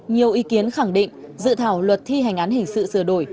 nhiều ý kiến khẳng định dự thảo luật thi hành án hình sự sửa đổi